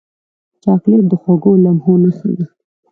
چاکلېټ د خوږو لمحو نښه ده.